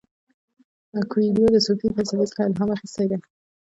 کویلیو د صوفي فلسفې څخه الهام اخیستی دی.